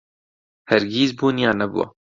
هەرگیز بوونیان نەبووە.